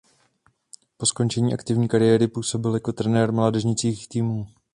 Po skončení aktivní kariéry působil jako trenér mládežnických týmů.